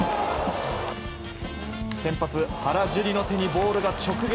先発、原樹理の手にボールが直撃。